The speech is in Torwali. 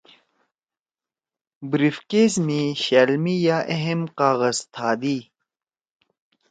بریف کیس می شألمی یا اہم کاغذ تھادی۔